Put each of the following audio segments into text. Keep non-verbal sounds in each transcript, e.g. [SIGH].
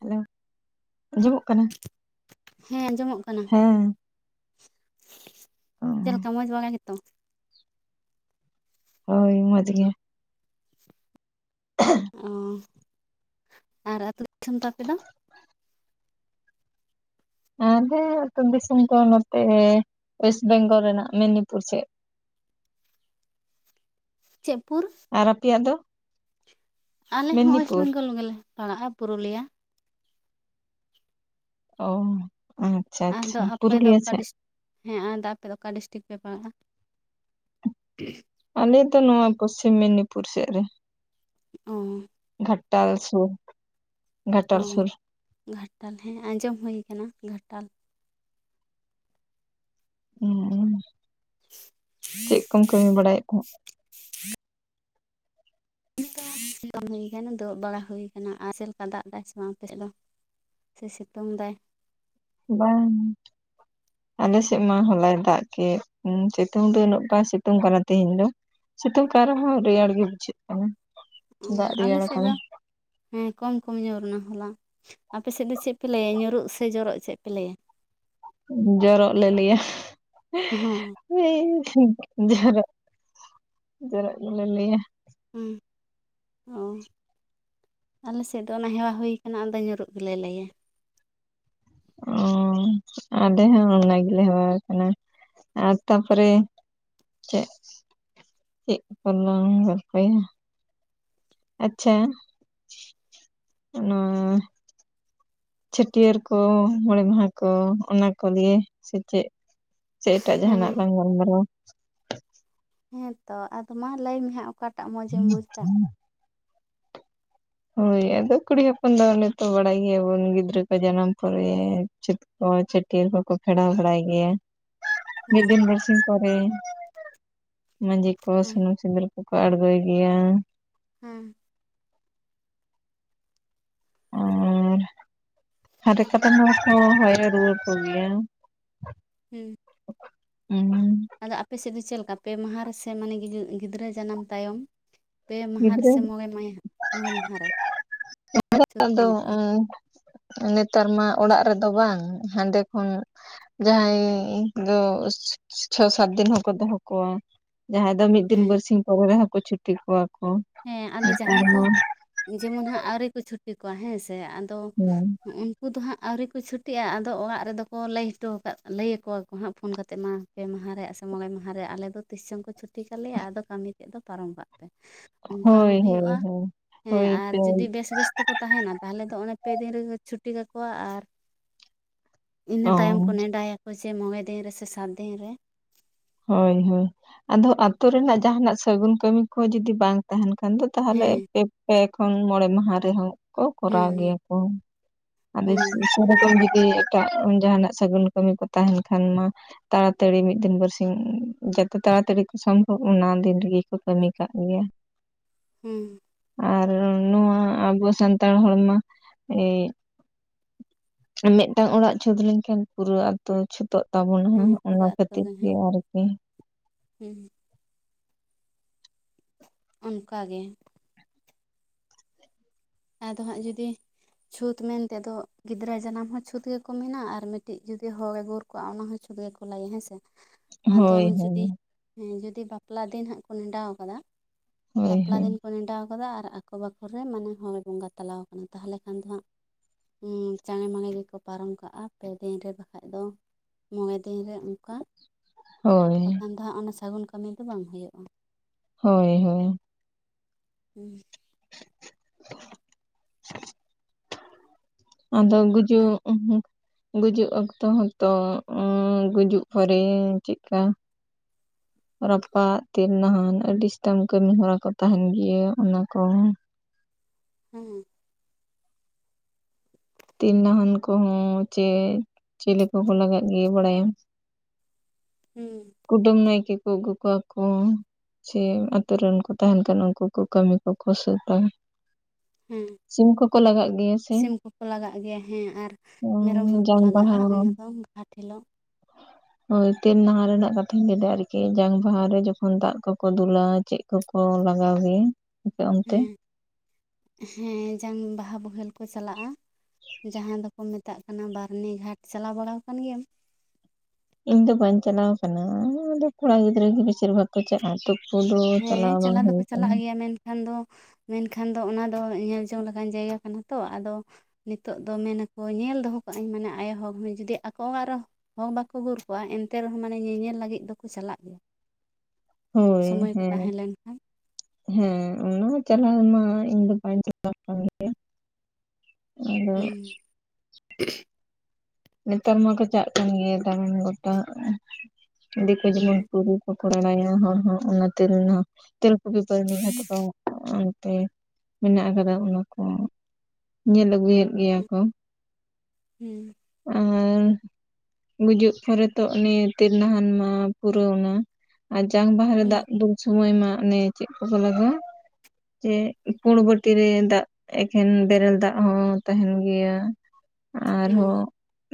Hello ᱟᱸᱡᱚᱢᱚᱜ ᱠᱟᱱᱟ ᱦᱮᱸ ᱟᱸᱡᱚᱢᱚᱜ ᱠᱟᱱᱟ ᱦᱮᱸ ᱪᱮᱫ ᱞᱮᱠᱟ ᱢᱚᱡᱽ ᱵᱟᱲᱟ ᱜᱮᱛᱚ? ᱦᱳᱭ ᱢᱚᱡᱽ ᱜᱮ [INAUDIBLE] ᱚ ᱟᱨ ᱟᱹᱛᱩ ᱫᱤᱥᱚᱢ ᱛᱟᱯᱮ ᱫᱚ? ᱟᱨ ᱟᱞᱮᱸ ᱟᱹᱛᱩ ᱫᱤᱥᱚᱢ ᱠᱚ ᱱᱚᱛᱮ ᱚᱭᱮᱥᱴ ᱵᱮᱝᱜᱚᱞ ᱨᱮᱱᱟᱜ ᱢᱮᱫᱽᱱᱤᱯᱩᱨ ᱥᱮᱫ᱾ ᱪᱮᱫ ᱯᱩᱨ ᱟᱨ ᱟᱯᱮᱭᱟᱜ ᱫᱚ? ᱟᱞᱮ ᱦᱚᱸ ᱚᱭᱮᱥᱴ ᱢᱮᱫᱽᱱᱤᱯᱩᱨ ᱵᱮᱝᱜᱚᱞ ᱜᱮᱞᱮ ᱯᱟᱲᱟᱜᱼᱟ ᱯᱩᱨᱩᱞᱤᱭᱟ᱾ ᱚ ᱟᱪᱪᱷᱟ ᱟᱫᱚ ᱟᱪᱪᱷᱟ ᱟᱯᱮ ᱫᱚ ᱯᱩᱨᱩᱞᱤᱭᱟᱹ ᱚᱠᱟ ᱥᱮᱫ᱾ ᱰᱤᱥ ᱦᱮᱸ ᱟᱫᱚ ᱟᱯᱮ ᱫᱚ ᱚᱠᱟ ᱰᱤᱥᱴᱤᱠ ᱯᱮ ᱯᱟᱲᱟᱜᱼᱟ? ᱟᱞᱮ ᱫᱚ ᱱᱚᱣᱟ ᱯᱚᱥᱪᱤᱢ ᱢᱮᱫᱽᱱᱤᱯᱩᱨ ᱥᱮᱫ ᱨᱮ ᱚ ᱜᱷᱟᱴᱟᱞ ᱥᱳᱨ ᱚ ᱜᱷᱟᱴᱟᱞ ᱦᱮᱸ ᱟᱸᱡᱚᱢ ᱦᱳᱭ ᱠᱟᱱᱟ ᱜᱷᱟᱴᱟᱞ᱾ [INAUDIBLE] ᱪᱮᱫ ᱠᱚᱢ ᱠᱟᱹᱢᱤ ᱵᱟᱲᱟᱭᱮᱫ ᱛᱟᱦᱮᱫ [INAUDIBLE] ᱵᱟᱲᱟ ᱦᱳᱭ ᱠᱟᱱᱟ ᱟᱨ ᱪᱮᱫ ᱞᱮᱠᱟ ᱫᱟᱜ ᱫᱟᱭ ᱥᱮ ᱵᱟᱝ ᱟᱯᱮ ᱥᱮᱫ ᱫᱚ? ᱥᱮ ᱥᱤᱛᱳᱝ ᱮᱫᱟᱭ? ᱵᱟᱝ ᱟᱞᱮ ᱥᱮᱫ ᱢᱟ ᱦᱚᱞᱟᱭ ᱫᱟᱜ ᱠᱮᱫ ᱥᱤᱛᱳᱝ ᱫᱚ ᱩᱱᱟᱹᱜ ᱵᱟᱭ ᱥᱤᱛᱳᱝ ᱠᱟᱱᱟ ᱛᱮᱦᱮᱧ ᱫᱚ᱾ ᱥᱤᱛᱳᱝ ᱠᱟᱱ ᱨᱮᱦᱚᱸ ᱨᱮᱭᱟᱲ ᱜᱮ ᱵᱩᱡᱷᱟᱹᱜ ᱠᱟᱱᱟ ᱚ ᱫᱟᱜ ᱟᱞᱮ ᱨᱮᱭᱟᱲ ᱥᱮᱫ ᱠᱟᱱᱟ ᱫᱚ ᱦᱮᱸ ᱠᱚᱢ ᱠᱚᱢ ᱧᱩᱨ ᱱᱟ ᱦᱚᱞᱟ᱾ ᱟᱯᱮ ᱥᱮᱫ ᱫᱚ ᱪᱮᱫ ᱯᱮ ᱞᱟᱹᱭᱟ ᱧᱩᱨᱩᱜ ᱥᱮ ᱡᱚᱨᱚᱜ ᱪᱮᱫ ᱯᱮ ᱞᱟᱹᱭᱟ? ᱡᱚᱨᱚᱜ ᱞᱮ ᱞᱟᱹᱭᱟ᱾ ᱦᱚᱸ [INAUDIBLE] ᱡᱚᱨᱚᱜ, ᱡᱚᱨᱚᱜ ᱜᱮᱞᱮ ᱞᱟᱹᱭᱟ ᱦᱮᱸ ᱚ ᱟᱞᱮ ᱥᱮᱫ ᱫᱚ ᱚᱱᱟ ᱦᱮᱣᱟ ᱦᱳᱭ ᱠᱟᱱᱟ ᱟᱫᱚ ᱧᱩᱨᱩᱜ ᱜᱮᱞᱮ ᱞᱟᱹᱭᱟ᱾ ᱚ ᱟᱞᱮ ᱦᱚᱸ ᱚᱱᱟ ᱜᱮᱞᱮ ᱦᱮᱣᱟ ᱠᱟᱱᱟ ᱟᱨ ᱛᱟᱯᱚᱨᱮ ᱪᱮᱫ, ᱪᱮᱫ ᱠᱚᱞᱟᱝ ᱜᱚᱞᱯᱚᱭᱟ ᱟᱪᱪᱷᱟ ᱚᱱᱟ ᱪᱷᱟᱹᱴᱭᱟᱹᱨ ᱠᱚ ᱢᱚᱬᱮ ᱢᱟᱦᱟ ᱠᱚ ᱚᱱᱟ ᱠᱚᱞᱤᱭᱮ ᱥᱮ ᱪᱮᱫ ᱥᱮ ᱮᱴᱟᱜ ᱡᱟᱦᱟᱱᱟᱜ ᱦᱮᱸ ᱞᱟᱝ ᱜᱟᱞᱢᱟᱨᱟᱣᱟ ᱦᱮᱸᱛᱚ ᱟᱫᱚ ᱢᱟ ᱞᱟᱹᱭ ᱢᱮ ᱦᱟᱜ ᱚᱠᱟᱴᱟᱜ ᱢᱚᱡᱽ ᱮᱢ ᱵᱩᱡᱽ ᱮᱫᱟ᱾ ᱦᱳᱭ ᱟᱫᱚ ᱠᱩᱲᱤ ᱦᱚᱯᱚᱱ ᱫᱚ ᱚᱱᱮ ᱛᱚ ᱵᱟᱲᱟᱭ ᱜᱮᱭᱟᱵᱚᱱ ᱜᱤᱫᱽᱨᱟᱹ ᱠᱚ ᱡᱟᱱᱟᱢ ᱯᱚᱨᱮ ᱪᱮᱫ ᱠᱚ ᱪᱷᱟᱹᱴᱭᱟᱹᱨ ᱠᱚᱠᱚ ᱯᱷᱮᱲᱟᱣ ᱵᱟᱲᱟᱭ ᱜᱮᱭᱟ᱾ ᱢᱤᱫ ᱦᱮᱸ ᱫᱤᱱ ᱵᱟᱨᱥᱤ ᱯᱚᱨᱮ ᱢᱟᱹᱡᱷᱤ ᱠᱚ ᱦᱮᱸ ᱥᱩᱱᱩᱢ ᱥᱤᱸᱫᱩᱨ ᱠᱚᱠᱚ ᱟᱲᱜᱳᱭ ᱜᱮᱭᱟ᱾ ᱦᱮᱸ [INAUDIBLE] [UNINTELLIGIBLE] ᱠᱟᱛᱮᱱ ᱦᱚᱲ ᱠᱚ ᱦᱚᱭ ᱨᱮ ᱨᱩᱣᱟᱹᱲ ᱠᱚᱜᱮᱭᱟ ᱦᱮᱸ ᱦᱩᱸᱻ ᱟᱫᱚ ᱟᱯᱮ ᱥᱮᱫ ᱫᱚ ᱪᱮᱫ ᱞᱮᱠᱟ ᱯᱮ ᱢᱟᱦᱟ ᱨᱮ ᱥᱮ ᱢᱟᱱᱮ ᱜᱤᱫᱽᱨᱟᱹ ᱡᱟᱱᱟᱢ ᱛᱟᱭᱚᱢ᱾ ᱯᱮ ᱢᱟᱦᱟ ᱨᱮ ᱜᱤᱫᱽᱨᱟᱹ ᱥᱮ ᱢᱚᱬᱮ ᱢ ᱢᱚᱬᱮ ᱢᱟᱦᱟ ᱨᱮ ᱪᱷᱩᱸᱛ ᱠᱚ ᱢᱮᱴᱟᱣᱟ [UNINTELLIGIBLE] ᱱᱮᱛᱟᱨ ᱢᱟ ᱚᱲᱟᱜ ᱨᱮᱫᱚ ᱵᱟᱝ ᱦᱟᱸᱰᱮ ᱠᱷᱚᱱ ᱡᱟᱦᱟᱸᱭᱻ ᱫᱚ ᱪᱷᱚ ᱥᱟᱛ ᱫᱤᱱ ᱦᱚᱸᱠᱚ ᱫᱚᱦᱚ ᱠᱚᱣᱟ ᱡᱟᱦᱟᱸᱭ ᱫᱚ ᱢᱤᱫ ᱫᱤᱱ ᱦᱮᱸ ᱵᱟᱨᱥᱤᱧ ᱯᱚᱨᱮ ᱨᱮᱦᱚᱸ ᱠᱚ ᱪᱷᱩᱴᱤ ᱠᱚᱣᱟ ᱠᱚ ᱦᱮᱸ ᱟᱫᱚ ᱱᱮᱛᱟᱨ ᱡᱟᱦᱟᱸᱭ ᱠᱚ ᱢᱟ ᱡᱮᱢᱚᱱ ᱦᱟᱸᱜ ᱟᱹᱣᱨᱤ ᱠᱚ ᱪᱷᱩᱴᱤ ᱠᱚᱣᱟ ᱦᱮᱸ ᱥᱮ᱾ ᱛᱚ ᱦᱩᱸ ᱩᱱᱠᱩ ᱫᱚ ᱦᱟᱸᱜ ᱟᱹᱣᱨᱤ ᱠᱚ ᱪᱷᱩᱴᱤᱜ-ᱟ ᱟᱫᱚ ᱚᱲᱟᱜ ᱨᱮᱫᱚ ᱠᱚ ᱞᱟᱹᱭ ᱦᱚᱴᱚ ᱟᱠᱟᱫ ᱞᱟᱹᱭ ᱟᱠᱚᱣᱟ ᱠᱚ ᱦᱟᱸᱜ ᱯᱷᱳᱱ ᱠᱟᱛᱮᱫ ᱢᱟ ᱯᱮ ᱢᱟᱦᱟ ᱨᱮᱭᱟᱜ ᱥᱮ ᱢᱚᱬᱮ ᱢᱟᱦᱟ ᱨᱮ ᱟᱞᱮ ᱫᱚ ᱛᱤᱥ ᱪᱚᱝ ᱠᱚ ᱪᱷᱩᱴᱤ ᱠᱟᱞᱮᱭᱟ ᱟᱫᱚ ᱠᱟᱹᱢᱤ ᱛᱮᱫ ᱫᱚ ᱯᱟᱨᱚᱢ ᱠᱟᱜ ᱯᱮ, ᱚᱱᱠᱟ ᱦᱳᱭ ᱦᱚᱸ ᱦᱳᱭ ᱦᱩᱭᱩᱜ-ᱟ ᱦᱳᱭ ᱦᱮᱸ ᱦᱳᱭ ᱟᱨ ᱛᱚ ᱡᱩᱫᱤ ᱵᱮᱥ ᱵᱮᱥ ᱛᱮᱠᱚ ᱛᱟᱦᱮᱱᱟ ᱛᱟᱦᱚᱞᱮ ᱫᱚ ᱚᱱᱮ ᱯᱮ ᱫᱤᱱ ᱨᱮᱜᱮ ᱪᱷᱩᱴᱤ ᱠᱟᱠᱚᱣᱟ ᱟᱨ ᱤᱱᱟᱹ ᱚ ᱛᱟᱭᱚᱢ ᱠᱚ ᱱᱮᱰᱟᱭ ᱟᱠᱚ ᱪᱮ ᱢᱚᱬᱮ ᱫᱤᱱ ᱨᱮᱥᱮ ᱥᱟᱛ ᱫᱤᱱ ᱨᱮ, ᱦᱳᱭ ᱦᱳᱭ ᱟᱫᱚ ᱟᱛᱳ ᱨᱮᱱᱟᱜ ᱡᱟᱦᱟᱱᱟᱜ ᱥᱟᱹᱜᱩᱱ ᱠᱟᱹᱢᱤ ᱠᱚ ᱡᱩᱫᱤ ᱵᱟᱝ ᱛᱟᱦᱮᱱ ᱠᱷᱟᱱ ᱫᱚ, ᱛᱟᱦᱚᱞᱮ ᱦᱮᱸ ᱯᱮ ᱯᱮ ᱠᱷᱚᱱ ᱢᱚᱬᱮ ᱢᱟᱦᱟ ᱨᱮᱦᱚᱸ, ᱠᱚ ᱦᱮᱸ ᱠᱚᱨᱟᱣ ᱜᱮᱭᱟ ᱠᱚ ᱦᱮᱸ [UNINTELLIGIBLE] [UNINTELLIGIBLE] ᱮᱴᱟᱜ ᱡᱟᱦᱟᱱᱟᱜ ᱥᱟᱹᱜᱩᱱ ᱠᱟᱹᱢᱤ ᱠᱚ ᱛᱟᱦᱮᱱ ᱠᱷᱟᱱ ᱢᱟ ᱛᱟᱲᱟᱛᱟᱹᱲᱤ ᱢᱤᱫ ᱫᱤᱱ ᱵᱟᱹᱨᱥᱤᱧ ᱡᱚᱛᱚ ᱛᱟᱲᱟᱛᱟᱹᱲᱤ ᱠᱚ ᱥᱚᱢᱵᱷᱚᱵᱽ ᱚᱱᱟ ᱫᱤᱱ ᱨᱮᱜᱮ ᱠᱚ ᱠᱟᱹᱢᱤ ᱠᱟᱜ ᱜᱮᱭᱟ ᱾ ᱦᱩᱸ ᱟᱨ ᱱᱚᱣᱟ ᱟᱵᱚ ᱥᱟᱱᱛᱟᱲ ᱦᱚᱲᱢᱟ ᱮ ᱢᱤᱫᱴᱟᱹᱝ ᱚᱲᱟᱜ ᱪᱷᱩᱛ ᱞᱮᱱᱠᱷᱟᱱ ᱯᱩᱨᱟᱹ ᱟᱛᱳ ᱪᱷᱩᱛ, ᱛᱚᱜ ᱛᱟᱵᱚᱱ ᱦᱚᱸ ᱚᱱᱟ ᱠᱷᱟᱹᱛᱤᱨ ᱜᱮ ᱟᱨᱠᱤ, ᱦᱩᱸ ᱚᱱᱠᱟ ᱜᱮ ᱟᱫᱚ ᱦᱟᱸᱜ ᱡᱩᱫᱤ ᱪᱷᱩᱛ ᱢᱮᱱᱛᱮ ᱫᱚ ᱜᱤᱫᱽᱨᱟᱹ ᱡᱟᱱᱟᱢ ᱦᱚᱸ ᱪᱷᱩᱛ ᱜᱮᱠᱚ ᱢᱮᱱᱟ ᱟᱨ ᱢᱤᱫᱴᱤᱡ ᱡᱩᱫᱤ ᱦᱚᱲ ᱮ ᱜᱩᱨ ᱠᱚᱣᱟᱜ ᱚᱱᱟ ᱦᱚᱸ ᱪᱷᱩᱛ ᱜᱮᱠᱚ ᱞᱟᱹᱭᱟ ᱦᱮᱸ ᱥᱮ, ᱟᱫᱚ ᱦᱳᱭ ᱦᱳᱭ ᱡᱩᱫᱤ ᱡᱩᱫᱤ ᱵᱟᱯᱞᱟ ᱫᱤᱱ ᱦᱟᱸᱜ ᱠᱚ ᱱᱮᱰᱟ ᱣᱟᱠᱟᱫᱟ ᱦᱳᱭ ᱵᱟᱯᱞᱟ ᱦᱳᱭ ᱫᱤᱱ ᱠᱚ ᱱᱮᱰᱟᱣ ᱟᱠᱟᱫᱟ ᱟᱨ ᱟᱠᱚ ᱵᱟᱠᱷᱩᱞ ᱨᱮ ᱢᱟᱱᱮ ᱦᱚᱲ ᱮ ᱵᱚᱸᱜᱟ ᱛᱟᱞᱟᱣ ᱟᱠᱟᱱᱟ ᱛᱟᱦᱚᱞᱮ ᱠᱷᱟᱱ ᱫᱚ ᱦᱟᱸᱜ ᱦᱮᱸ ᱪᱟᱲᱮ ᱢᱟᱲᱮ ᱜᱮᱠᱚ ᱯᱟᱨᱚᱢ ᱠᱟᱜ-ᱟ ᱯᱮ ᱫᱤᱱ ᱨᱮ ᱵᱟᱠᱷᱟᱡ ᱫᱚ ᱢᱚᱬᱮ ᱫᱤᱱ ᱨᱮ ᱚᱱᱠᱟ ᱦᱳᱭ ᱵᱟᱠᱷᱟᱱ ᱫᱚ ᱦᱟᱸᱜ ᱚᱱᱟ ᱥᱟᱹᱜᱩᱱ ᱠᱟᱹᱢᱤ ᱫᱚ ᱵᱟᱝ ᱦᱩᱭᱩᱜ-ᱟ᱾ ᱦᱳᱭ ᱦᱳᱭ ᱦᱮᱸ ᱟᱫᱚ ᱟᱨ ᱜᱩᱡᱩᱜ ᱩᱦᱩᱸ ᱜᱩᱡᱩᱜ ᱚᱠᱛᱚ ᱦᱚᱸᱛᱚ ᱜᱩᱡᱩᱜ ᱯᱚᱨᱮ ᱪᱮᱫᱠᱟ [INAUDIBLE] ᱨᱟᱯᱟᱜ ᱛᱮᱞ ᱱᱟᱦᱟᱱ ᱟᱹᱰᱤ ᱮᱥᱛᱮᱢ ᱠᱟᱹᱢᱤ ᱦᱚᱨᱟ ᱠᱚ ᱛᱟᱦᱮᱱ ᱜᱮᱭᱟ ᱚᱱᱟ ᱠᱚᱸᱻ ᱦᱩᱸ ᱦᱩᱸ ᱛᱤᱞ ᱱᱟᱦᱟᱱ ᱠᱚᱦᱚᱸ ᱪᱮ ᱪᱤᱞᱤ ᱠᱚ ᱦᱚᱸ ᱦᱩᱱᱟᱹᱝ ᱮ ᱤᱭᱟᱹ ᱵᱟᱲᱟᱭᱟ ᱦᱩᱸ ᱠᱩᱰᱟᱹᱢ ᱱᱟᱭᱠᱮ ᱠᱚ ᱟᱹᱜᱩ ᱠᱚᱣᱟ ᱠᱚ᱾ ᱪᱮ ᱟᱛᱳ ᱨᱮᱱ ᱠᱚ ᱛᱟᱦᱮᱱ ᱠᱷᱟᱱ ᱩᱱᱠᱩ ᱠᱚ ᱠᱟᱹᱢᱤ ᱠᱚᱠᱚ ᱥᱟᱹᱛᱟ ᱾ ᱦᱮᱸ ᱥᱤᱢ ᱠᱚᱠᱚ ᱞᱟᱜᱟᱜ ᱜᱮᱭᱟ ᱥᱮ ᱥᱤᱢ ᱠᱚᱠᱚ ᱞᱟᱜᱟᱜ ᱜᱮᱭᱟ ᱦᱮᱸ ᱟᱨ ᱢᱮᱨᱚᱢ ᱠᱚᱠᱚ ᱡᱟᱝ ᱞᱟᱜᱟᱜᱼᱟ ᱵᱟᱦᱟ ᱚᱱᱟ ᱫᱚ ᱜᱷᱟᱴ ᱦᱤᱞᱚᱜ ᱦᱳᱭ ᱛᱮᱱ ᱱᱟᱦᱟᱱ ᱨᱮᱱᱟᱜ ᱠᱟᱛᱷᱟᱹᱧ ᱞᱟᱹᱭᱟ ᱟᱨᱠᱤ ᱡᱟᱝ ᱵᱟᱦᱟ ᱨᱮ ᱡᱚᱠᱷᱚᱱ ᱫᱟᱜ ᱠᱚᱠᱚ ᱫᱩᱞᱟ ᱪᱮ ᱠᱩᱠᱚ ᱞᱟᱜᱟᱣ ᱜᱮᱭᱟ ᱟᱯᱮ ᱚᱱᱛᱮ ᱦᱮᱸ ᱦᱮᱸ ᱡᱟᱝ ᱵᱟᱦᱟ ᱵᱚᱦᱮᱞ ᱠᱚ ᱪᱟᱞᱟᱜᱼᱟ ᱡᱟᱦᱟ ᱫᱚᱠᱚ ᱢᱮᱛ ᱢᱮᱛᱟᱜ ᱠᱟᱱᱟ ᱵᱟᱨᱱᱤ ᱜᱷᱟᱴ ᱪᱟᱞᱟᱣ ᱵᱟᱲᱟᱣ ᱠᱟᱱ ᱜᱮᱭᱟᱢ ᱤᱧ ᱫᱚ ᱵᱟᱹᱧ ᱪᱟᱞᱟᱣ ᱠᱟᱱᱟ ᱟᱫᱚ ᱠᱚᱲᱟ ᱜᱤᱫᱽᱨᱟᱹ ᱜᱮ ᱵᱮᱥᱤᱨ ᱵᱷᱟᱜᱽ ᱠᱚ ᱪᱟᱼᱟ ᱛᱩ ᱦᱮᱸ ᱪᱟᱞᱟᱣ ᱫᱚᱠᱚ ᱪᱟᱞᱟᱜ ᱜᱮᱭᱟ ᱢᱮᱱ ᱠᱷᱟᱱ ᱫᱚ ᱢᱮᱱᱠᱷᱟᱱ ᱫᱚ ᱚᱱᱟ ᱫᱚ ᱧᱮᱞ ᱡᱚᱝ ᱞᱮᱠᱟᱱ ᱡᱟᱭᱜᱟ ᱠᱟᱱᱟ ᱛᱚ ᱟᱫᱚ ᱱᱤᱛᱚᱜ ᱫᱚ ᱢᱮᱱ ᱟᱠᱚ ᱧᱮᱞ ᱫᱚᱦᱚ ᱠᱟᱜᱟᱹᱧ ᱢᱟᱱᱮ ᱟᱭᱚᱦᱟᱲ ᱦᱚ ᱡᱩᱫᱤ ᱟᱠᱚ ᱟᱨᱚ ᱦᱚᱲ ᱵᱟᱠᱚ ᱜᱩᱨ ᱠᱚᱣᱟ ᱮᱱᱛᱮ ᱨᱮᱦᱚ ᱢᱟᱱᱮ ᱧᱮᱧᱮᱞ ᱞᱟᱹᱜᱤᱫ ᱫᱚᱠᱚ ᱪᱟᱞᱟᱜ ᱜᱮᱭᱟ ᱦᱳᱭ ᱥᱚᱢᱚᱭ ᱠᱚ ᱦᱮᱸ ᱛᱟᱦᱮᱸ ᱞᱮᱱᱠᱷᱟᱱ ᱦᱮᱸ ᱚᱱᱟ ᱪᱟᱞᱟᱣ ᱢᱟ ᱤᱧ ᱫᱚ ᱵᱟᱹᱧ ᱪᱟᱞᱟᱣ ᱠᱟᱱ ᱜᱮᱭᱟ ᱟᱫᱚ ᱦᱩᱸ ᱱᱮᱛᱟᱨ ᱢᱟ ᱠᱚ ᱪᱟᱜ ᱠᱟᱱ ᱜᱮᱭᱟ ᱫᱟᱬᱟᱱ ᱜᱚᱴᱟ ᱫᱤᱠᱩ ᱡᱮᱢᱚᱱ [UNINTELLIGIBLE] ᱦᱩᱸ ᱟᱱᱠᱟ ᱦᱚᱲ [UNINTELLIGIBLE] ᱦᱚᱸ ᱚᱱᱟᱛᱮ ᱨᱮᱱᱟᱜ ᱛᱮᱞᱠᱩᱯᱤ ᱵᱟᱨᱱᱤ ᱜᱷᱟᱴᱠᱟ ᱚᱱᱛᱮ ᱢᱮᱱᱟᱜ ᱠᱟᱫᱟ ᱚᱱᱟ ᱠᱚ ᱧᱮᱞ ᱟᱹᱜᱩᱭᱮᱫ ᱜᱮᱭᱟ ᱠᱚ ᱦᱩᱸ ᱟ... ᱨ [UNINTELLIGIBLE] ᱜᱩᱡᱩᱜ ᱯᱚᱨᱮ ᱛᱚ ᱩᱱᱤ ᱛᱤᱞᱱᱟᱦᱟᱱ ᱢᱟ ᱯᱩᱨᱟᱹᱣᱱᱟ ᱟᱨ ᱡᱟᱝ ᱵᱟᱦᱟᱨᱮ ᱫᱟᱜ ᱦᱩᱸ ᱫᱩᱞ ᱥᱚᱢᱚᱭ ᱢᱟ ᱚᱱᱮ ᱪᱮᱫ ᱠᱚᱠᱚ ᱞᱟᱜᱟᱶᱼᱟ ᱪᱮ ᱯᱩᱲ ᱵᱟᱴᱤᱨᱮ ᱫᱟᱜ ᱮᱠᱷᱮᱱ ᱵᱮᱨᱮᱞ ᱫᱟᱜ ᱦᱚᱸ ᱛᱟᱦᱮᱱ ᱜᱮᱭᱟ ᱟᱨᱦᱚᱻ ᱦᱩᱸ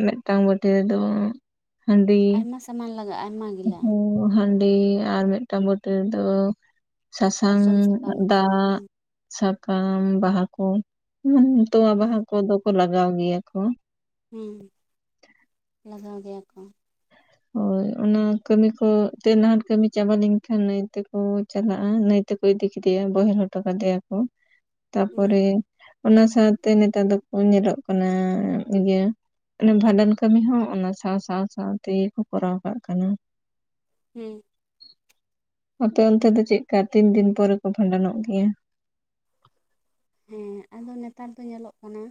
ᱢᱮᱫᱴᱟᱝ ᱵᱟᱴᱤ ᱨᱮᱫᱚ ᱦᱟ. ᱰᱤ ᱟᱭᱢᱟ ᱥᱟᱢᱟᱱ ᱞᱟᱜᱟᱜᱼᱟ ᱟᱭᱢᱟ ᱜᱤᱞᱟ ᱦᱟ. ᱰᱤ ᱟᱨ ᱢᱤᱫᱴᱟᱝ ᱵᱟᱴᱤ ᱨᱮᱫᱚ ᱥᱟᱥᱟᱝ ᱥᱟᱨᱡᱚᱢ ᱥᱟᱠᱟᱢ ᱠᱚ ᱫᱟᱜ ᱦᱩᱸ ᱥᱟᱠᱟᱢ ᱵᱟᱦᱟ ᱠᱚ ᱩᱱ.... ᱛᱚᱣᱟ ᱦᱩᱸ ᱵᱟᱦᱟ ᱠᱚᱫᱚ ᱠᱚ ᱞᱟᱜᱟᱣ ᱜᱮᱭᱟ ᱠᱚ ᱦᱩᱸ ᱞᱟᱜᱟᱣ ᱜᱮᱭᱟ ᱠᱚ ᱦᱳᱭ ᱚᱱᱟ ᱠᱟᱹᱢᱤ ᱠᱚ ᱛᱮᱞᱱᱟᱦᱟᱱ ᱠᱟᱹᱢᱤ ᱪᱟᱵᱟ ᱞᱮᱱ ᱠᱷᱟᱱ ᱱᱟ. ᱭ ᱛᱮᱠᱚ ᱪᱟᱞᱟᱜᱼᱟ ᱱᱟᱹᱭ ᱛᱮᱠᱚ ᱤᱫᱤ ᱠᱮᱫᱮᱭᱟ ᱵᱚᱦᱮᱞ ᱦᱚᱴᱚ ᱠᱟᱫᱮᱭᱟ ᱠᱚ [INAUDIBLE] ᱛᱟᱯᱚᱨᱮ ᱚᱱᱟ ᱥᱟᱶᱛᱮ ᱱᱮᱛᱟᱨ ᱫᱚᱠᱚ ᱧᱮᱞᱚᱜ ᱠᱟᱱᱟ... ᱤᱭᱟᱹ ᱚᱱᱮ ᱵᱷᱟᱸᱰᱟᱱ ᱠᱟᱹᱢᱤ ᱦᱚ ᱚᱱᱟ ᱥᱟᱶ ᱥᱟᱶ ᱥᱟᱶ ᱛᱮᱜᱮ ᱠᱚ ᱠᱚᱨᱟᱣ ᱠᱟᱜ ᱠᱟᱱᱟ ᱦᱩᱸ ᱟᱯᱮ ᱚᱱᱛᱮ ᱫᱚ ᱪᱮᱫᱠᱟ ᱛᱤᱱ ᱫᱤᱱ ᱯᱚᱨᱮ ᱠᱚ ᱵᱷᱟᱱᱰᱟᱱᱚᱜ ᱜᱮᱭᱟ ᱦᱮᱸ ᱟᱫᱚ ᱱᱮᱛᱟᱨ ᱫᱚ ᱧᱮᱞᱚᱜ ᱠᱟᱱᱟ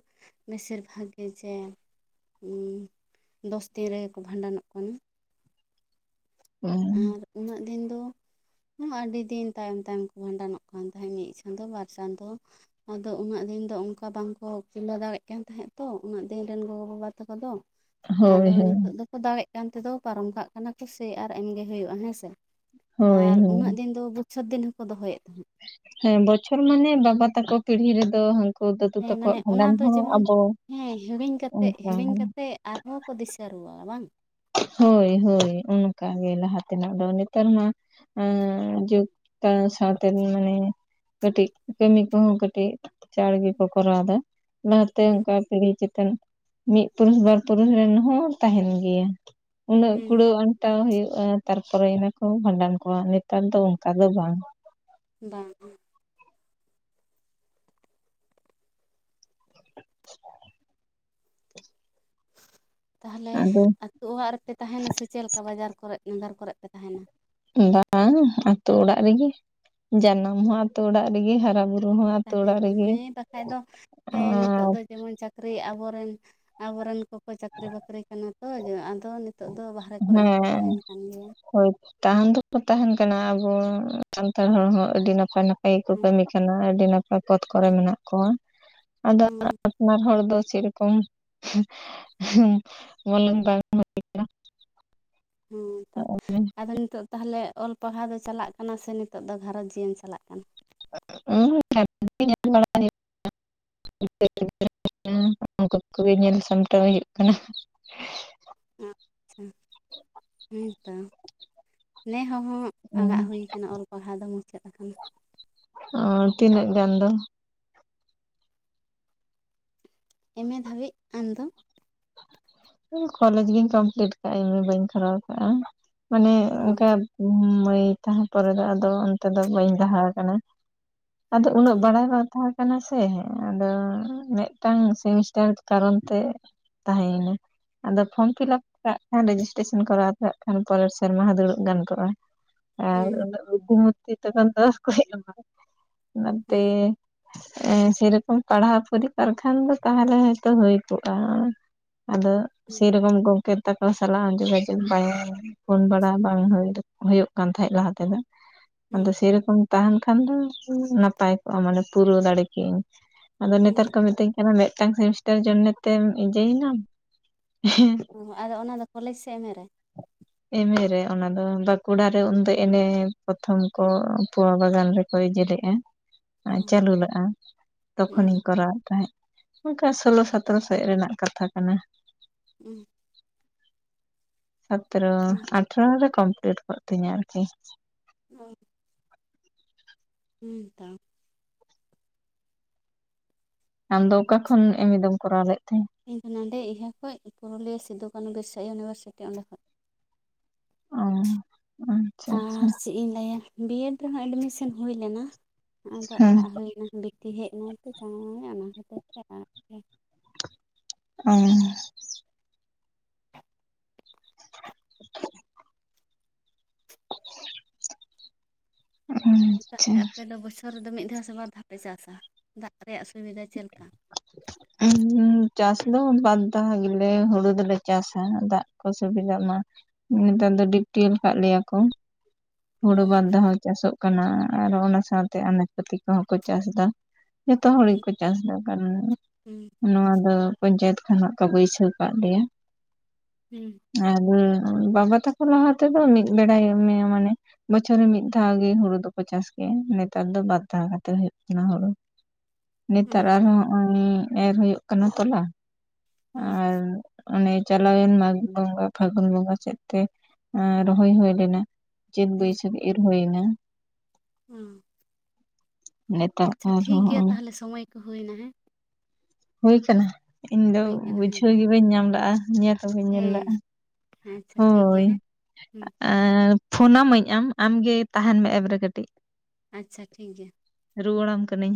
ᱵᱮᱥᱤᱨ ᱵᱷᱟᱜᱽ ᱜᱮ ᱡᱮ ᱫᱚᱥ ᱛᱤᱱ ᱨᱮᱜᱮ ᱠᱚ ᱵᱷᱟᱸᱰᱟᱱᱚᱜ ᱠᱟᱱᱟ ᱦᱮᱸ ᱟᱨ ᱩᱱᱟᱹᱜ ᱫᱤᱱ ᱫᱚ ᱟᱹᱰᱤ ᱫᱤᱱ ᱛᱟᱭᱚᱢ ᱛᱟᱭᱚᱢ ᱠᱚ ᱵᱷᱟᱸᱰᱟᱱᱚᱜ ᱠᱟᱱ ᱛᱟᱦᱮᱸ ᱢᱤᱫ ᱪᱟᱸᱫᱚ ᱵᱟᱨ ᱪᱟᱸᱫᱚ ᱟᱫᱚ ᱩᱱᱟᱹᱜ ᱫᱤᱱ ᱫᱚ ᱚᱱᱠᱟ ᱵᱟᱝᱠᱚ ᱠᱩᱞᱟᱹᱣ ᱫᱟᱲᱮ ᱠᱟᱱ ᱛᱟᱦᱮᱸᱫ ᱛᱚ ᱩᱱᱟᱹᱜ ᱫᱤᱱ ᱨᱮᱱ ᱜᱚᱜᱚ ᱵᱟᱵᱟ ᱛᱟᱠᱚ ᱫᱚ ᱦᱳᱭ ᱟᱫᱚ ᱦᱳᱭ ᱱᱤᱛᱚᱜ ᱫᱚᱠᱚ ᱫᱟᱲᱮᱜ ᱠᱟᱱ ᱛᱮᱫᱚ ᱯᱟᱨᱚᱢ ᱠᱟᱜ ᱠᱟᱱᱟ ᱠᱚ ᱥᱮ ᱟᱨ ᱮᱢᱜᱮ ᱦᱩᱭᱩᱜᱼᱟ ᱦᱮᱸ ᱥᱮ ᱦᱳᱭ ᱟᱨ ᱦᱳᱭ ᱩᱱᱟᱹᱜ ᱫᱤᱱ ᱫᱚ ᱵᱚᱪᱷᱚᱨ ᱫᱤᱱ ᱦᱚᱠᱚ ᱫᱚᱦᱚᱭᱮᱫ ᱛᱟᱦᱮᱸᱫ ᱦᱮᱸ ᱵᱚᱪᱷᱚᱨ ᱢᱟᱱᱮ ᱵᱟᱵᱟ ᱛᱟᱠᱚ ᱯᱤᱲᱦᱤ ᱨᱮᱫᱚ ᱦᱟ ᱦᱮᱸ ᱢᱟᱱᱮ ᱚᱱᱟ ᱫᱚ ᱡᱮᱢᱚᱱ ᱦᱮᱸ ᱦᱤᱲᱤᱧ ᱠᱟᱛᱮ ᱚᱱᱠᱟ ᱦᱤᱲᱤᱧ ᱠᱟᱛᱮ ᱟᱨᱦᱚᱸ ᱠᱚ ᱫᱤᱥᱟᱹ ᱨᱩᱣᱟᱲᱟ ᱵᱟᱝ ᱦᱚᱭ ᱦᱚᱭ ᱚᱱᱠᱟ ᱜᱮ ᱞᱟᱦᱟ ᱛᱮᱱᱟᱜ ᱫᱚ ᱱᱮᱛᱟᱨ ᱢᱟ ᱟᱸ ᱡᱩᱜᱽ ᱠᱚ ᱥᱟᱶᱛᱮ ᱢᱟᱱᱮ ᱠᱟᱹᱴᱤᱡ ᱠᱟᱹᱢᱤ ᱠᱚᱦᱚ ᱠᱟᱹᱴᱤᱡ ᱪᱟᱬ ᱜᱮᱠᱚ ᱠᱚᱨᱟᱣ ᱫᱟ ᱞᱟᱦᱟᱛᱮ ᱚᱱᱠᱟ ᱯᱤᱲᱦᱤ ᱪᱮᱛᱟᱱ ᱢᱤᱫ ᱯᱩᱨᱩᱥ ᱵᱟᱨ ᱯᱩᱨᱩᱥ ᱨᱮᱱ ᱦᱚ ᱛᱟᱦᱮᱱ ᱜᱮᱭᱟ ᱩᱱᱟᱹᱜ ᱦᱩᱸ ᱠᱩᱲᱟᱹᱣ ᱟᱱ ᱟᱱᱴᱟᱣ ᱦᱩᱭᱩᱜᱼᱟ ᱛᱟᱨᱯᱚᱨᱮ ᱤᱱᱟ ᱠᱚ ᱵᱷᱟᱸᱰᱟᱱ ᱠᱚᱣᱟ ᱱᱮᱛᱟᱨ ᱫᱚ ᱚᱱᱠᱟ ᱫᱚ ᱵᱟᱝ ᱵᱟᱝ ᱛᱟᱦᱚᱞᱮ ᱟᱫᱚ ᱟᱹᱛᱩ ᱚᱲᱟᱜ ᱨᱮᱯᱮ ᱛᱟᱦᱮᱱᱟ ᱥᱮ ᱪᱮᱞᱮᱠᱟ ᱵᱟᱡᱟᱨ ᱠᱚᱨᱮᱫ ᱱᱟᱜᱟᱨ ᱠᱚᱨᱮᱫ ᱯᱮ ᱛᱟᱦᱮᱱᱟ ᱵᱟᱝ ᱟᱛᱩ ᱚᱲᱟᱜ ᱨᱮᱜᱮ ᱡᱟᱱᱟᱢ ᱦᱚ ᱟᱛᱩ ᱚᱲᱟᱜ ᱨᱮᱜᱤ ᱦᱟᱨᱟ ᱵᱩᱨᱩ ᱦᱚᱸ ᱟᱛᱳ ᱛᱟᱦᱮᱸ ᱚᱲᱟᱜ ᱨᱮᱜᱮ ᱦᱮᱸ ᱵᱟᱠᱷᱟᱡᱽ ᱫᱚ ᱦᱮᱸ ᱱᱤᱛᱚᱜ ᱟᱨ ᱫᱚ ᱡᱮᱢᱚᱱ ᱪᱟᱹᱠᱨᱤ ᱟᱵᱚᱨᱮᱱ ᱟᱵᱚᱨᱮᱱ ᱠᱚᱠᱚ ᱪᱟᱹᱠᱨᱤ ᱵᱟᱹᱠᱨᱤ ᱠᱟᱱᱟ ᱛᱚ ᱟᱫᱚ ᱱᱤᱛᱚᱜ ᱫᱚ ᱵᱟ ᱦᱮᱸ ᱦᱳᱭ ᱛᱟᱦᱮᱱ ᱫᱚᱠᱚ ᱛᱟᱦᱮᱱ ᱠᱟᱱᱟ ᱟᱵᱚ ᱥᱟᱱᱛᱟᱲ ᱦᱚᱲ ᱦᱚᱸ ᱟᱹᱰᱤ ᱱᱟᱯᱟᱭ ᱱᱟᱯᱟᱭ ᱜᱮᱠᱚ ᱦᱮᱸ ᱠᱟᱹᱢᱤ ᱠᱟᱱᱟ᱾ ᱟᱹᱰᱤ ᱱᱟᱯᱟᱭ ᱯᱚᱛ ᱠᱚᱨᱮ ᱢᱮᱱᱟᱜ ᱠᱚᱣᱟ ᱟᱫᱚ ᱦᱮᱸ ᱟᱯᱱᱟᱨ ᱦᱚᱲ ᱫᱚ ᱥᱮᱨᱚᱠᱚᱢ ᱵᱚᱞᱚᱱ ᱵᱟᱝ ᱦᱩᱭ ᱠᱟᱱᱟ᱾ ᱦᱮᱸ ᱛᱚ ᱟᱫᱚ ᱱᱤᱛᱚᱜ ᱛᱟᱦᱚᱞᱮ ᱚᱞ ᱯᱟᱲᱦᱟᱣ ᱫᱚ ᱪᱟᱞᱟᱜ ᱠᱟᱱᱟ ᱥᱮ ᱱᱤᱛᱚᱜ ᱫᱚ ᱜᱷᱟᱨᱚᱸᱡᱽ ᱡᱤᱭᱚᱢ ᱪᱟᱞᱟᱜ ᱠᱟᱱᱟ᱾ [UNINTELLIGIBLE] [UNINTELLIGIBLE] ᱩᱱᱠᱩ ᱠᱚᱜᱮ ᱧᱮᱞ ᱥᱟᱢᱴᱟᱣ ᱦᱩᱭᱩᱜ ᱠᱟᱱᱟ᱾ ᱟᱪᱪᱷᱟ ᱦᱮᱸ ᱛᱚ ᱱᱮ ᱦᱚᱸ ᱦᱚᱸ ᱟᱸᱲᱟᱜ ᱦᱩᱭ ᱟᱠᱟᱱᱟ ᱚᱞ ᱯᱟᱲᱦᱟᱣ ᱫᱚ ᱢᱩᱪᱟᱹᱫ ᱟᱠᱟᱱᱟ᱾ ᱚᱸ ᱛᱤᱱᱟᱹᱜ ᱜᱟᱱ ᱫᱚ? ᱮᱢᱮ ᱫᱷᱟᱹᱵᱤᱡᱽ ᱟᱢ ᱫᱚ? ᱠᱚᱞᱮᱡᱽ ᱜᱤᱧ ᱠᱚᱢᱯᱞᱤᱴ ᱟᱠᱟᱜᱼᱟ ᱮᱢᱮ ᱵᱟᱹᱧ ᱠᱚᱨᱟᱣ ᱟᱠᱟᱫᱼᱟ ᱢᱟᱱᱮ ᱦᱮᱸ ᱚᱱᱠᱟ ᱦᱩᱢ ᱢᱟᱹᱭ ᱛᱟᱦᱮᱸ ᱯᱚᱨᱮ ᱫᱚ ᱟᱫᱚ ᱚᱱᱛᱮ ᱫᱚ ᱵᱟᱹᱧ ᱞᱟᱦᱟ ᱟᱠᱟᱱᱟ᱾ ᱟᱫᱚ ᱩᱱᱟᱹᱜ ᱵᱟᱲᱟᱭ ᱦᱚᱸ ᱛᱟᱦᱮᱸ ᱠᱟᱱᱟ ᱥᱮ ᱟᱫᱚ ᱢᱤᱫ ᱴᱟᱝ ᱥᱮᱢᱤᱥᱴᱟᱨ ᱠᱟᱨᱚᱱ ᱛᱮ ᱛᱟᱦᱮᱸᱱᱟᱡᱽ ᱟᱫᱚ ᱯᱷᱚᱨᱚᱢ ᱯᱷᱤᱞᱟᱯ ᱠᱟᱜᱽ ᱠᱷᱟᱱ ᱨᱮᱡᱤᱥᱴᱨᱮᱥᱚᱱ ᱠᱚᱨᱟᱣ ᱠᱟᱜᱽ ᱠᱷᱟᱱ ᱯᱚᱨᱮᱨ ᱥᱮᱨᱢᱟ ᱦᱚᱸ ᱫᱩᱲᱩᱵ ᱜᱟᱱ ᱠᱚᱜᱼᱟ᱾ ᱟᱨ ᱦᱮᱸ ᱩᱱᱟᱹᱜ ᱩᱱᱩᱢᱚᱛᱤ ᱛᱚᱠᱷᱚᱱ ᱫᱚ ᱠᱚ ᱮᱢᱟ ᱚᱱᱟ ᱛᱮ ᱦᱮᱸ ᱥᱮᱨᱚᱠᱚᱢ ᱯᱟᱲᱦᱟᱣ ᱯᱚᱨᱤᱠᱟᱨ ᱠᱷᱟᱱ ᱫᱚ ᱛᱟᱦᱚᱞᱮ ᱦᱚᱭᱛᱳ ᱦᱩᱭ ᱠᱚᱜᱼᱟ᱾ ᱟᱫᱚ ᱥᱮ ᱨᱚᱠᱚᱢ ᱜᱚᱝᱠᱮ ᱛᱟᱠᱚ ᱥᱟᱞᱟᱜ ᱡᱳᱜᱟ ᱡᱳᱜᱽ ᱵᱟᱭ ᱯᱷᱳᱱ ᱵᱟᱲᱟ ᱵᱟᱝ ᱦᱩᱭ ᱦᱩᱭᱩᱜ ᱠᱟᱱ ᱛᱟᱦᱮᱸᱫ ᱞᱟᱦᱟ ᱛᱮᱫᱚ ᱟᱫᱚ ᱥᱮᱨᱚᱠᱚᱢ ᱛᱟᱦᱮᱱ ᱠᱷᱟᱱ ᱫᱚ ᱱᱟᱯᱟᱭ ᱠᱚᱜᱼᱟ ᱢᱟᱱᱮ ᱯᱩᱨᱟᱹᱣ ᱫᱟᱲᱮ ᱠᱮᱜ ᱟᱹᱧ ᱟᱫᱚ ᱦᱮᱸ ᱱᱮᱛᱟᱨ ᱠᱚ ᱢᱤᱛᱟᱹᱧ ᱢᱤᱫ ᱴᱟᱝ ᱥᱮᱢᱤᱥᱴᱟᱨ ᱡᱚᱱᱮ ᱛᱮᱢ ᱤᱡᱤᱭᱮᱱᱟᱢ ᱦᱮᱸ ᱚᱸ ᱟᱫᱚ ᱚᱱᱟ ᱫᱚ ᱠᱚᱞᱮᱡᱽ ᱥᱮ ᱮᱢᱮ ᱨᱮ ᱮᱢᱮ ᱨᱮ ᱚᱱᱟ ᱫᱚ ᱵᱟᱸᱠᱩᱲᱟ ᱨᱮ ᱩᱱᱫᱚ ᱮᱱᱮ ᱯᱨᱚᱛᱷᱚᱢ ᱠᱚ ᱯᱚᱣᱟ ᱵᱟᱜᱟᱱ ᱨᱮᱠᱚ ᱤᱫᱤ ᱞᱮᱜᱼᱟ᱾ ᱚ ᱪᱟᱹᱞᱩ ᱞᱮᱼᱟ ᱦᱩᱸ ᱛᱚᱠᱷᱚᱱᱤᱧ ᱠᱚᱨᱟᱣᱮᱫ ᱛᱟᱦᱮᱸᱫ᱾ ᱚᱱᱠᱟ ᱥᱳᱞᱳ ᱥᱟᱛᱨᱚ ᱥᱮᱫ ᱨᱮᱱᱟᱜ ᱠᱟᱛᱷᱟ ᱠᱟᱱᱟ᱾ ᱩᱸ ᱥᱟᱛᱨᱚ ᱦᱩᱸ ᱟᱴᱷᱨᱚ ᱨᱮ ᱠᱚᱢᱯᱞᱤᱴ ᱠᱚᱜ ᱛᱤᱧᱟ ᱟᱨᱠᱤ ᱚᱸ ᱦᱩᱸ ᱛᱚ ᱟᱢᱫᱚ ᱚᱠᱟ ᱠᱷᱚᱱ ᱮᱢᱮ ᱫᱚᱢ ᱠᱚᱨᱟᱣ ᱞᱮᱫ ᱛᱟᱦᱮᱸ ᱤᱧ ᱫᱚ ᱱᱚᱸᱰᱮ ᱤᱭᱟᱹ ᱠᱷᱚᱡ ᱯᱩᱨᱩᱞᱤᱭᱟᱹ ᱥᱤᱫᱩ ᱠᱟᱹᱱᱩ ᱵᱤᱨᱥᱟ ᱤᱭᱩᱱᱤᱵᱷᱟᱨᱥᱤᱴᱤ ᱚᱸᱰᱮ ᱠᱷᱚᱡ ᱚᱸ ᱟᱨ ᱪᱮᱫ ᱤᱧ ᱞᱟᱹᱭᱟ ᱵᱤᱭᱮᱰ ᱨᱮᱦᱚᱸ ᱮᱰᱢᱤᱥᱚᱱ ᱦᱩᱭ ᱞᱮᱱᱟ ᱟᱫᱚ ᱦᱮᱸ ᱟᱲᱟᱜ ᱦᱩᱭᱱᱟ ᱵᱤᱴᱤ ᱦᱮᱡ ᱮᱱᱟᱭ ᱛᱚ ᱪᱟᱬᱮ ᱢᱟᱬᱮ ᱚᱱᱟ ᱠᱷᱟᱹᱛᱤᱨ ᱛᱮ [UNINTELLIGIBLE] ᱩᱸ [INAUDIBLE] [INAUDIBLE] ᱟᱪᱪᱷᱟ ᱛᱟᱦᱚᱞᱮ ᱟᱯᱮ ᱫᱚ ᱵᱚᱪᱷᱚᱨ ᱨᱮᱫᱚ ᱢᱤᱫ ᱫᱷᱟᱣ ᱥᱮ ᱵᱟᱨ ᱫᱷᱟᱣ ᱯᱮ ᱪᱟᱥᱟ ᱫᱟᱜᱽ ᱨᱮᱭᱟᱜ ᱥᱩᱵᱤᱫᱷᱟ ᱪᱮᱫ ᱞᱮᱠᱟ? [INAUDIBLE] ᱪᱟᱥ ᱫᱚ ᱵᱟᱨ ᱫᱷᱟᱣ ᱜᱮᱞᱮ ᱦᱩᱲᱩ ᱫᱚᱞᱮ ᱪᱟᱥᱟ ᱫᱟᱜᱽ ᱠᱚ ᱥᱩᱵᱤᱫᱷᱟᱜ ᱢᱟ ᱱᱮᱛᱟᱨ ᱫᱚ ᱰᱤᱯᱴᱤᱭᱮᱞ ᱟᱠᱟᱫ ᱞᱮᱭᱟ ᱠᱚ ᱚ ᱦᱳᱲᱳ ᱵᱟᱨ ᱫᱷᱟᱣ ᱦᱚᱸ ᱪᱟᱥᱚᱜ ᱠᱟᱱᱟ ᱟᱨᱚ ᱚᱱᱟ ᱥᱟᱶᱛᱮ ᱟᱱᱟᱡᱽ ᱯᱟᱹᱛᱤ ᱠᱚᱦᱚᱸ ᱠᱚ ᱪᱟᱥ ᱫᱟ ᱡᱚᱛᱚ ᱦᱚᱲ ᱦᱩᱸ ᱜᱮᱠᱚ ᱪᱟᱥᱫᱟ ᱠᱟᱨᱚᱱ ᱦᱩᱸ ᱱᱚᱣᱟ ᱫᱚ ᱯᱚᱧᱪᱟᱭᱮᱛ ᱠᱷᱚᱱᱟᱜ ᱠᱚ ᱵᱟᱹᱭᱥᱟᱹᱣ ᱠᱟᱫ ᱞᱮᱭᱟ ᱾ ᱦᱮᱸ ᱟᱨ [UNINTELLIGIBLE] ᱵᱟᱵᱟ ᱛᱟᱠᱚ ᱞᱟᱦᱟ ᱛᱮᱫᱚ ᱢᱤᱫ ᱵᱮᱲᱟᱭ [UNINTELLIGIBLE] ᱢᱟᱱᱮ ᱵᱚᱪᱷᱚᱨ ᱨᱮ ᱢᱤᱫ ᱫᱷᱟᱹᱣ ᱜᱮ ᱦᱩᱸᱲᱩ ᱫᱚᱠᱚ ᱪᱟᱥ ᱠᱮᱭᱟ ᱱᱮᱛᱟᱨ ᱫᱚ ᱵᱟᱨ ᱫᱷᱟᱹᱣ ᱠᱟᱛᱮ ᱦᱩᱭᱩᱜ ᱠᱟᱱᱟ ᱦᱩᱸᱲᱩ ᱾ ᱱᱮᱛᱟᱨ ᱦᱩᱸ ᱟᱨᱦᱚᱸ ᱦᱚᱸᱜᱼᱚᱭ ᱮᱨ ᱦᱩᱭᱩᱜ ᱠᱟᱱᱟ ᱛᱚᱞᱟ ᱦᱩᱸ ᱟᱨ ᱚᱱᱮ ᱪᱟᱞᱟᱣᱮᱱ ᱢᱟᱜᱽ ᱵᱚᱸᱜᱟ ᱯᱷᱟᱹᱜᱩᱱ ᱵᱚᱸᱜᱟ ᱥᱮᱫ ᱛᱮ ᱨᱚᱦᱚᱭ ᱦᱩᱭ ᱞᱮᱱᱟ᱾ ᱪᱹᱟᱛ ᱦᱩᱸ ᱵᱟᱹᱭᱥᱟᱹᱠᱷ ᱤᱨ ᱦᱩᱭᱱᱟ ᱾ ᱚ ᱱᱮᱛᱟᱨ ᱟᱪᱪᱷᱟ ᱟᱨᱦᱚᱸ ᱴᱷᱤᱠᱜᱮᱭᱟ ᱦᱚᱸᱜᱼᱚᱭ ᱛᱟᱦᱟᱞᱮ ᱥᱚᱢᱚᱭ ᱠᱚ ᱦᱩᱭᱮᱱᱟ ᱦᱮᱸ ᱾ ᱦᱩᱭ ᱟᱠᱟᱱᱟ ᱤᱧ ᱫᱚ ᱦᱩᱭ ᱠᱟᱱᱟ ᱦᱮᱸ ᱵᱩᱡᱷᱟᱹᱣ ‌ᱜᱮ ᱵᱟᱹᱧ ᱧᱟᱢ ᱞᱟᱼᱟ, ᱧᱮᱞ ᱛᱚᱵᱮ ᱧᱮᱞ ᱞᱟᱼᱟ ᱦᱮᱸ ᱾ ᱟᱪᱪᱷᱟ ᱴᱷᱤᱠ ᱜᱮᱭᱟ ᱦᱳᱭ ᱦᱮᱸ ᱦᱩᱸ ᱯᱷᱳᱱᱟᱢᱟᱹᱧ ᱟᱢ? ᱟᱢᱜᱮ ᱛᱟᱦᱮᱸᱱ ᱢᱮ ᱮᱵᱨᱮ ᱠᱟᱹᱴᱤᱡ ᱾ ᱟᱪᱪᱷᱟ ᱴᱷᱤᱠ ᱜᱮᱭᱟ᱾ ᱨᱩᱣᱟᱹᱲ ᱟᱢ ᱠᱟᱹᱱᱟᱹᱧ ᱦᱮᱸ ᱾